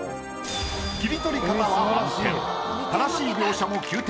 切り取り方は満点。